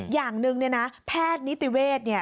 อย่างหนึ่งเนี่ยนะแพทย์นิติเวศเนี่ย